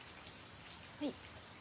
はい？